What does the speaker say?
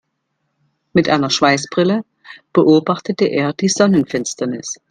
Mit einer Schweißbrille beobachtete er die Sonnenfinsternis.